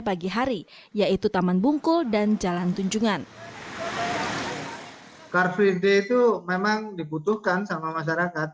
pagi hari yaitu taman bungkul dan jalan tunjungan car free day itu memang dibutuhkan sama masyarakat